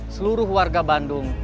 seluruh warga bandung